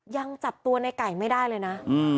ยังจับตัวในไก่ไม่ได้เลยนะ